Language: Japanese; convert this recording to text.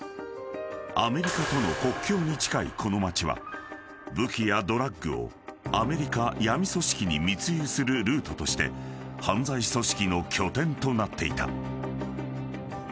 ［アメリカとの国境に近いこの町は武器やドラッグをアメリカ闇組織に密輸するルートとして犯罪組織の拠点となっていた］